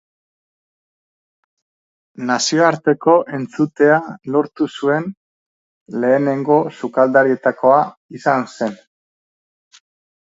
Nazioarteko entzutea lortu zuen lehenengo sukaldarietakoa izan zen.